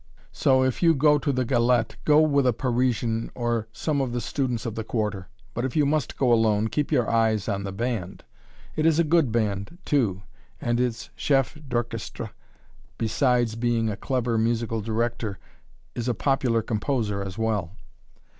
So, if you go to the "Galette," go with a Parisian or some of the students of the Quarter; but if you must go alone keep your eyes on the band. It is a good band, too, and its chef d'orchestre, besides being a clever musical director, is a popular composer as well.